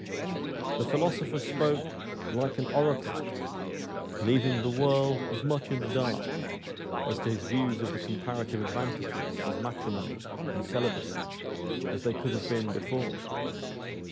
The philosopher spoke 'like an oracle,' leaving the world as much in the dark as to his views of the comparative advantages of matrimony and celibacy, as they could have been before.